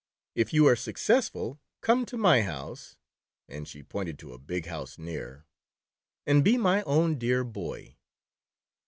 If you are successful, come to my house," and she pointed to a big house near, "and be my own dear boy."